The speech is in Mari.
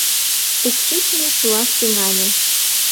Укшичме шуаш тӱҥале.